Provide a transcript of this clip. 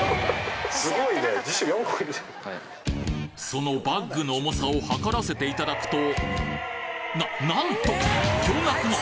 そのバッグの重さを量らせていただくとななんと！